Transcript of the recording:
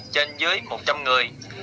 trên dưới một trăm linh người